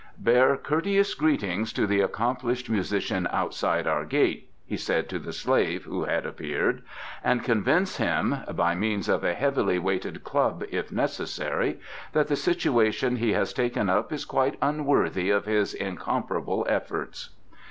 "Bear courteous greetings to the accomplished musician outside our gate," he said to the slave who had appeared, "and convince him by means of a heavily weighted club if necessary that the situation he has taken up is quite unworthy of his incomparable efforts."